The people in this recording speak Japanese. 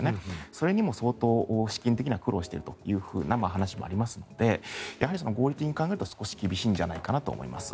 それにも相当資金的には苦労しているという話もありますので合理的に考えると少し厳しいと思います。